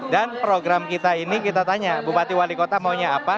dan program kita ini kita tanya bupati wali kota maunya apa